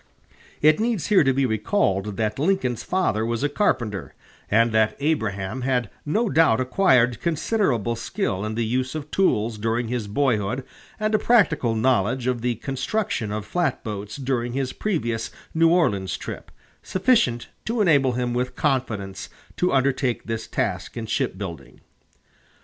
It needs here to be recalled that Lincoln's father was a carpenter, and that Abraham had no doubt acquired considerable skill in the use of tools during his boyhood and a practical knowledge of the construction of flatboats during his previous New Orleans trip, sufficient to enable him with confidence to undertake this task in shipbuilding.